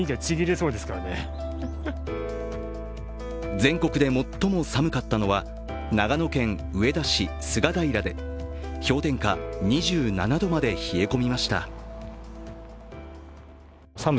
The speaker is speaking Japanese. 全国で最も寒かったのは長野県上田市菅平で氷点下２７度まで冷え込みました。